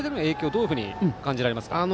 どういうふうに感じられますか。